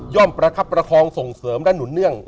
ประคับประคองส่งเสริมและหนุนเนื่อง